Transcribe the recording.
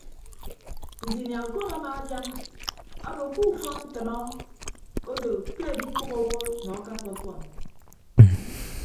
Nsinia okon amaadian obo ke ufọn ntʌnọ odo ke adikpʌghọ owo nọ akappa ọfọn.